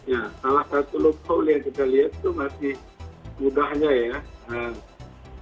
ya salah satu loople yang kita lihat itu masih mudahnya ya